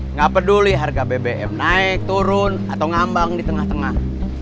nggak peduli harga bbm naik turun atau ngambang di tengah tengah